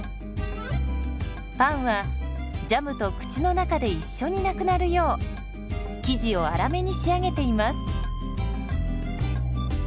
パンはジャムと口の中で一緒になくなるよう生地を粗めに仕上げています。